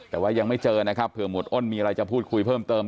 แต่ว่ายังไม่เจอนะครับเผื่อหวดอ้นมีอะไรจะพูดคุยเพิ่มเติม